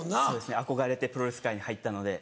憧れてプロレス界に入ったので。